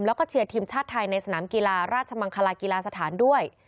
แล้วก็เชียร์ทีมชาติไทยในสนามกีฬาราชมังคลากีฬาสถานด้วย